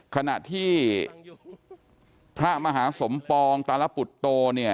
ขณะที่พระมหาสมปองตารปุตโต